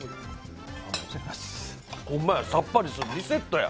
ホンマやさっぱりする、リセットや。